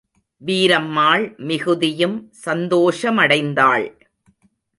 வீரம்மாள் மிகுதியும் சந்தோஷமடைந்தாள்.